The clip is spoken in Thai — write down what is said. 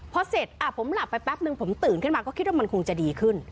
พอเสร็จผมหลับไปแป๊บนึงผมตื่นขึ้นมาก็คิดว่ามันคงจะดีขึ้น